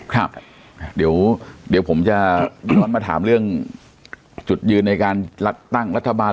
ครับเดี๋ยวผมจะย้อนมาถามเรื่องจุดยืนในการตั้งรัฐบาล